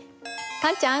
カンちゃん